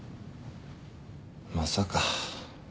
まさか。